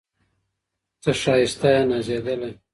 ته ښایسته یې نازېدلی